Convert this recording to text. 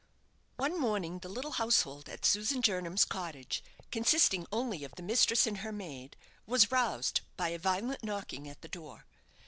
One morning the little household at Susan Jernam's cottage, consisting only of the mistress and her maid, was roused by a violent knocking at the door.